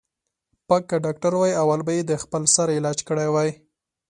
ـ پک که ډاکتر وای اول به یې د خپل سر علاج کړی وای.